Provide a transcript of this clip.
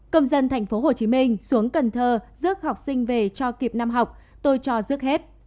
công dân thành phố hồ chí minh xuống cần thơ rước học sinh về cho kịp năm học tôi cho rước hết